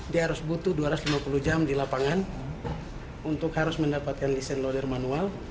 dia harus butuh dua ratus lima puluh jam di lapangan untuk harus mendapatkan desain lawyer manual